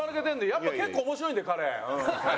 やっぱ結構面白いんで彼。